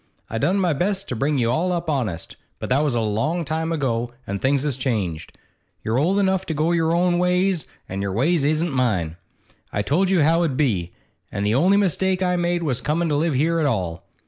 I done my best to bring you all up honest, but that was a long time ago, and things has changed. You're old enough to go your own ways, an' your ways isn't mine. I told you how it 'ud be, an' the only mistake I made was comin' to live here at all.